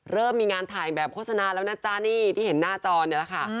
เริ่มมีงานถ่ายแบบโฆษณาแล้วนะจ๊ะนี่ที่เห็นหน้าจอเนี่ยแหละค่ะ